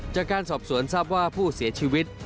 จากการสอบสวนทราบว่าผู้เสียชีวิต